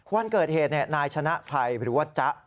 วันเกิดเหตุนายชนะภัยหรือว่าจ๊ะ